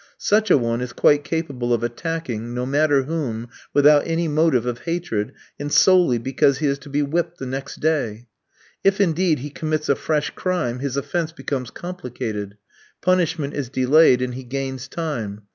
Such a one is quite capable of attacking, no matter whom, without any motive of hatred, and solely because he is to be whipped the next day. If, indeed, he commits a fresh crime his offence becomes complicated. Punishment is delayed, and he gains time.